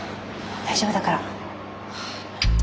大丈夫だから。